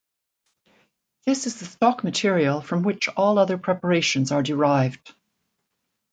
This is the stock material from which all other preparations are derived.